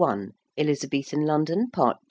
ELIZABETHAN LONDON. PART II.